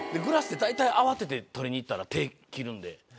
グラスって慌てて取りに行ったら手切るんで。